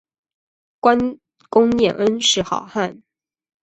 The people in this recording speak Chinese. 观功念恩是好汉